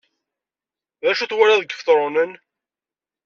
Acu twalaḍ deg Ibetṛunen?